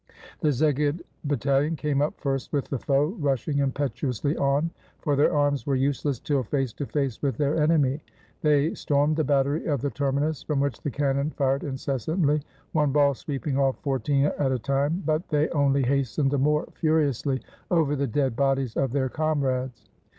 The Szeged battalion came up first with the foe, rush ing impetuously on — for their arms were useless till face to face with their enemy. They stormed the battery of the terminus, from which the cannon fired incessantly — one ball sweeping off fourteen at a time ; but they only hastened the more furiously over the dead bodies of their comrades.